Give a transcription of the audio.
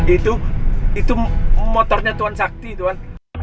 itu motornya tuhan sakti tuhan